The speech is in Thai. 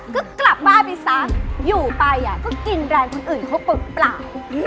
ก็กลับบ้าไปซะอยู่ไปอ่ะก็กินแรงคนอื่นเขาเป็นอีกปล่าว